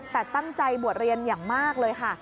แต่ตั้งใจบวชเรียนอย่างมากเลยค่ะ